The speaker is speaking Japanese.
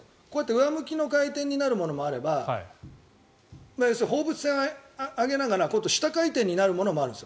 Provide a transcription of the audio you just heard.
上向きの回転になるものもあれば放物線を上げながら下回転になるものもあるんです。